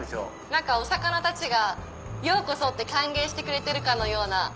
お魚たちが「ようこそ」って歓迎してくれてるかのような。